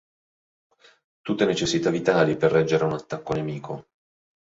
Tutte necessità vitali per reggere a un attacco nemico.